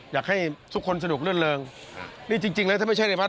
อยากให้ทุกคนสนุกเรื่องนี่จริงแล้วถ้าไม่ใช่ในภาษณ์